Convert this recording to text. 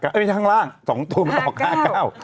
ไม่ใช่ข้างล่าง๒ตัวมันออก๕๙